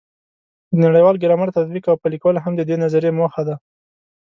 د نړیوال ګرامر تطبیق او پلي کول هم د دې نظریې موخه ده.